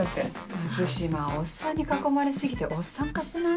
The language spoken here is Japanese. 松島おっさんに囲まれ過ぎておっさん化してない？